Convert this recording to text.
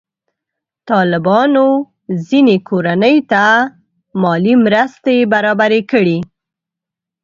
طالبانو ځینې کورنۍ ته مالي مرستې برابرې کړي.